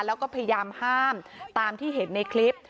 แล้วก็พยายามห้ามตามที่เห็นในคลิป